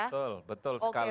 betul betul sekali